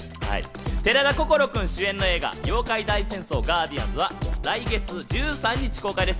寺田心くん主演の映画『妖怪大戦争ガーディアンズ』は来月１３日公開です。